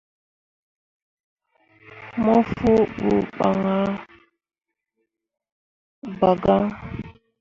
Mo fu ɓu ban ah ɓa gaŋ.